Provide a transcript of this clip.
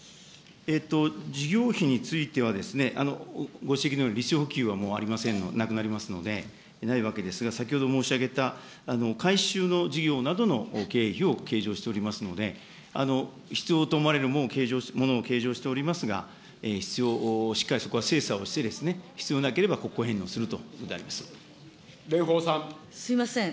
事業費については、ご指摘のように利子補給はありません、なくなりますので、ないわけですが、先ほど申し上げた回収の事業などの経費を計上しておりますので、必要と思われるものを計上しておりますが、必要、しっかりそこは精査をしてですね、必要なければ国庫返納するというこ蓮舫さん。すみません。